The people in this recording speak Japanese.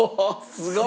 すごい！